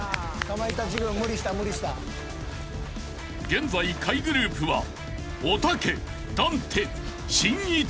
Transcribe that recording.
［現在下位グループはおたけダンテしんいち］